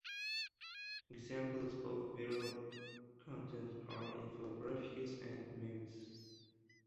Examples of viral content are infographics and memes.